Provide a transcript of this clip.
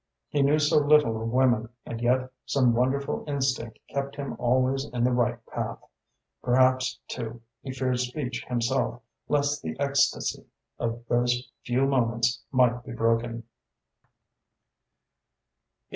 He knew so little of women and yet some wonderful instinct kept him always in the right path. Perhaps, too, he feared speech himself, lest the ecstasy of those few moments might be broken.